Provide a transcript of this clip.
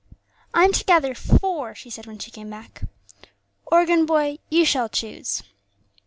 "I'm to gather four," she said, when she came back; "organ boy, you shall choose."